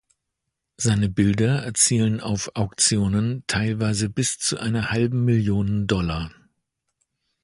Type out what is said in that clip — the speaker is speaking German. Seine Bilder erzielen auf Auktionen teilweise bis zu einer halben Million Dollar.